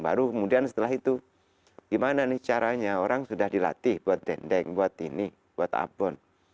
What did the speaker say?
baru kemudian setelah itu gimana nih caranya orang sudah dilatih buat dendeng buat ini buat abon